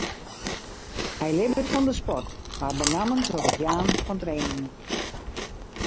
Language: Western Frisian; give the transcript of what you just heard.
Hy libbet fan de sport, mar benammen troch it jaan fan trainingen.